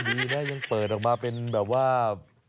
อันนี้แม่ยังเปิดออกมาเป็นแบบว่า